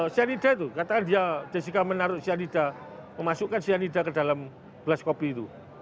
sianida itu katakan dia jessica menaruh sianida memasukkan sianida ke dalam belas kopi itu